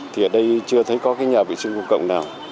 thì ở đây chưa thấy có cái nhà vệ sinh công cộng nào